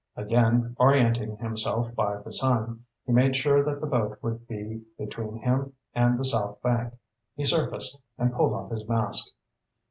Again orienting himself by the sun, he made sure that the boat would be between him and the south bank. He surfaced and pulled off his mask.